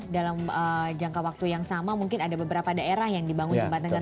dalam jangka waktu yang sama mungkin ada beberapa daerah yang dibangun jembatan